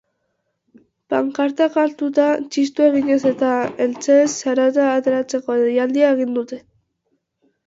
Pankartak hartuta txistu eginez eta eltzeez zarata ateratzeko deialdia egin dute.